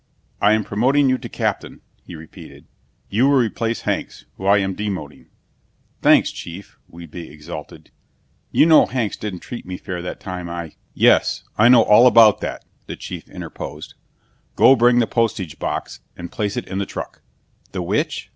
"I am promoting you to captain," he repeated. "You will replace Hanks, whom I am demoting." "Thanks, chief!" Whedbee exalted. "You know Hanks didn't treat me fair that time I " "Yes, I know all about that," the chief interposed. "Go bring the postage box and place it in the truck." "The which?